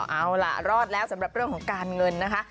เอาล่ะรอดแล้วสำหรับเรื่องของการเงินนะคะ